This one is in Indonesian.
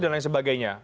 dan lain sebagainya